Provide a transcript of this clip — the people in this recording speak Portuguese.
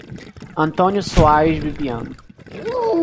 Antônio Soares Bibiano